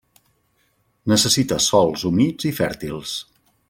Necessita sòls humits i fèrtils.